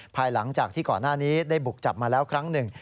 ภายหลังจากที่ก่อนหน้านี้ได้บุกจับมาแล้วครั้งหนึ่ง